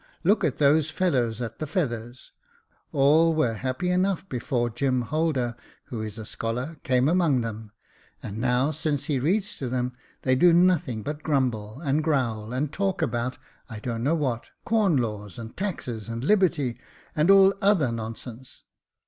Look at those fellows at the Feathers •, all were happy enough before Jim Holder, who is a scholar, came among them, and now since he reads to them, they do nothing but grumble, and growl, and talk about I don't know what — corn laws, and taxes, and liberty, and all other nonsense.